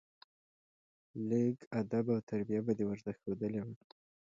لېږ ادب او تربيه به دې ورته ښودلى وه.